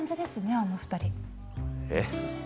あの２人えっ？